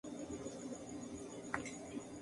Es la primera secuela de Iron Eagle.